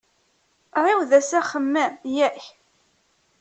Ɛiwed-as axemmem, yak?